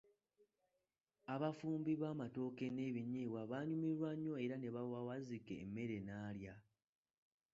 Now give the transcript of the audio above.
Abafumbi bamatooke nebinnyeebwa baanyumirwa nnyo era ne bawa Wazzike emmere nalya.